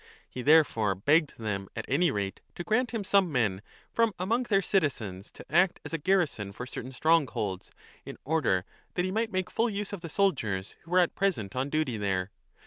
He therefore begged them at any rate to grant him some men from among their citizens to act as a garrison for certain strongholds, in order that he might make full use of the soldiers who were at present on duty there.